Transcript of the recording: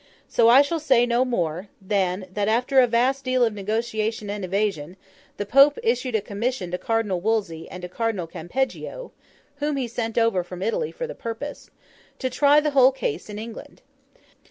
So I shall say no more, than that after a vast deal of negotiation and evasion, the Pope issued a commission to Cardinal Wolsey and Cardinal Campeggio (whom he sent over from Italy for the purpose), to try the whole case in England.